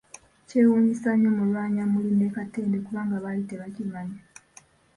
Kyewuunyisa nnyo Mulwanyammuli ne Katende kubanga baali tebakimannyi.